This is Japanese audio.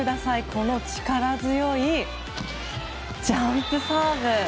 この力強いジャンプサーブ。